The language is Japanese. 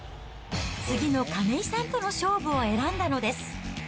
次の亀井さんとの勝負を選んだのです。